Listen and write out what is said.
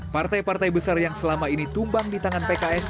partai partai besar yang selama ini tumbang di tangan pks